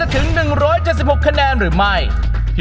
ถ้าพร้อมแล้วขอเชิญพบกับคุณลูกบาท